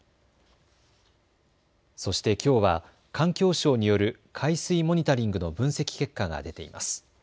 そして、きょうは環境省による海水モニタリングの分析結果が出ています。